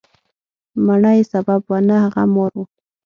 مڼه یې سبب وه، نه هغه مار و.